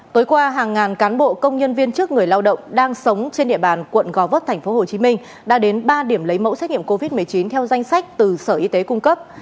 tối qua hàng ngàn cán bộ công nhân viên chức người lao động đang sống trên địa bàn quận gò vấp tp hcm đã đến ba điểm lấy mẫu xét nghiệm covid một mươi chín theo danh sách từ sở y tế cung cấp